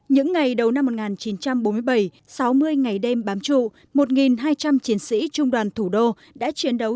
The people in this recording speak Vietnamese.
những ngày đầu năm một nghìn chín trăm bốn mươi bảy sáu mươi ngày đêm bám trụ một hai trăm linh chiến sĩ trung đoàn thủ đô đã chiến đấu